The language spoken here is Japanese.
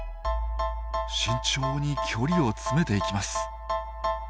慎重に距離を詰めていきます。